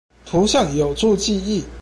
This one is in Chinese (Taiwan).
圖像有助記憶！